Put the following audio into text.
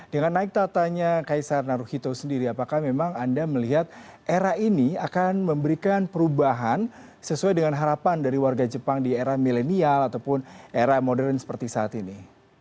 dengan naik tatanya kaisar naruhito sendiri apakah memang anda melihat era ini akan memberikan perubahan sesuai dengan harapan dari warga jepang di era milenial ataupun era modern seperti saat ini